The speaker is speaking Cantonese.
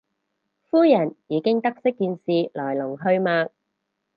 夫人已經得悉件事來龍去脈